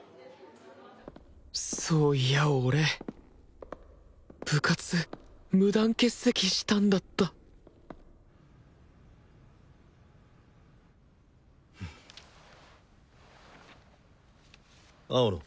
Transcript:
そういや俺部活無断欠席したんだった青野。